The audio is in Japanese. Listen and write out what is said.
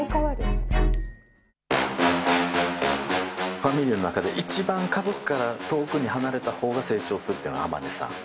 ファミリーの中で一番家族から遠くに離れた方が成長するってのが天音さん。